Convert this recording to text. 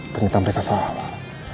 ternyata mereka salah